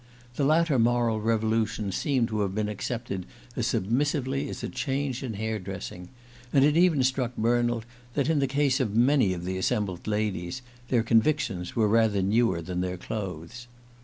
The latter moral revolution seemed to have been accepted as submissively as a change in hair dressing; and it even struck Bernald that, in the case of many of the assembled ladies, their convictions were rather newer than their clothes.